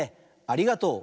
ありがとう。